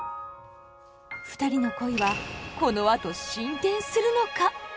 ふたりの恋はこのあと進展するのか。